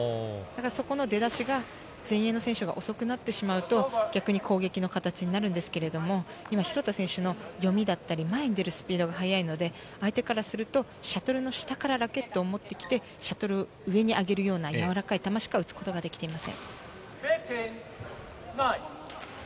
出だしが前衛の選手が遅くなってしまうと攻撃の形になるんですが、廣田選手の読みだったり、前に出るスピードが速いので相手からすると、シャトルの下からラケットを持ってきて上に上げるような、やわらかい球しか打てない状況になっています。